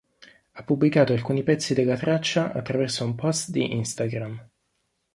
Ha pubblicato alcuni pezzi della traccia attraverso un post di Instagram.